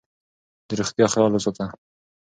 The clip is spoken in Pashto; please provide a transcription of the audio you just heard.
د روغتیا خیال وساته.